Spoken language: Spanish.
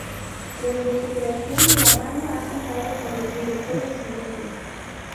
Desde su creación, la Banda ha contado con los directores siguientesː